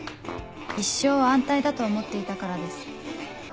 一生安泰だと思っていたからです